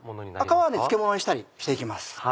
皮は漬物にしたりして行きます。